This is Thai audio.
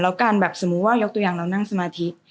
แล้วการแบบสมมุติว่ายกตัวอย่างเรานั่งสมาธิ